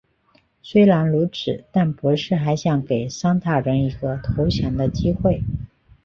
虽然如此但博士还想给桑塔人一个投降的机会。